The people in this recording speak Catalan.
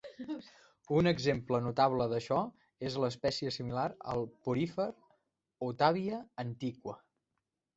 Un exemple notable d'això és la espècia similar al porífer "Otavia antiqua".